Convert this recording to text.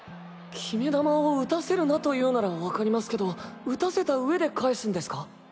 決め球を打たせるなというならわかりますけど打たせた上で返すんですか？